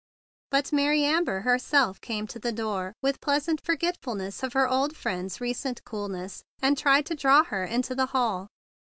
But Mary Amber herself came to the door, with pleasant forgetfulness of her old friend's recent coolness, and tried to draw her into the hall.